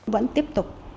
vẫn tiếp tục